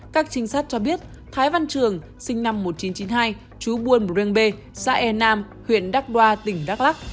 các trinh sát cho biết thái văn trường sinh năm một nghìn chín trăm chín mươi hai chú buôn bren bê xã e nam huyện đắk đoa tỉnh đắk lắc